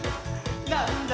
「なんだ？